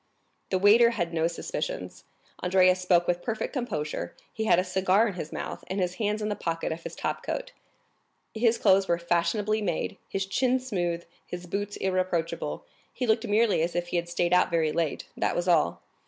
The waiter had no suspicions; Andrea spoke with perfect composure, he had a cigar in his mouth, and his hands in the pocket of his top coat; his clothes were fashionably made, his chin smooth, his boots irreproachable; he looked merely as if he had stayed out very late, that was all.